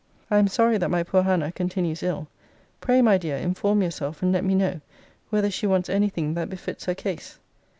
I am sorry that my poor Hannah continues ill. Pray, my dear, inform yourself, and let me know, whether she wants any thing that befits her case.